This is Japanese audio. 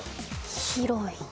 広い。